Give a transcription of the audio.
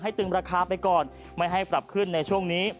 ตึงราคาไปก่อนไม่ให้ปรับขึ้นในช่วงนี้